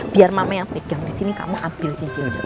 biar mama yang pegang disini kamu ambil cincinnya